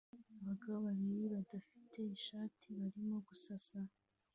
Abagabo babiri badafite ishati barimo gusasa